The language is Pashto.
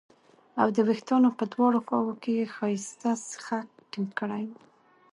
او د وېښتانو په دواړو خواوو کې یې ښایسته سیخک ټینګ کړي وو